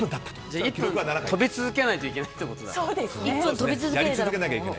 じゃあ１分跳び続けないといけないということだ。